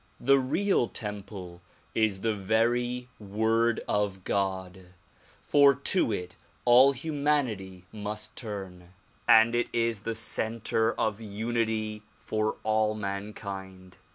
The real temple is the very Word of God ; for to it all humanity must turn and it is the center of unity for all mankind.